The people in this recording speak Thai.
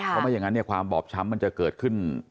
เพราะไม่อย่างนั้นความบอบช้ำมันจะเกิดขึ้น